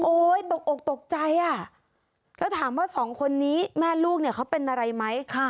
โอ๊ยตกตกใจอ่ะแล้วถามว่า๒คนนี้แม่ลูกเขาเป็นอะไรไหม